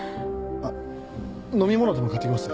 あっ飲み物でも買ってきます。